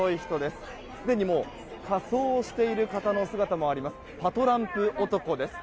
すでに仮装をしている方の姿もあります。